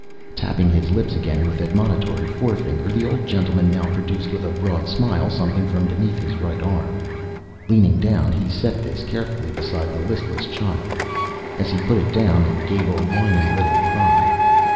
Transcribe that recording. Tapping his lips again with admonitory forefinger, the old gentleman now produced, with a broad smile, something from beneath his right arm. Leaning down, he set this carefully beside the listless child. As he put it down, it gave a whining little cry.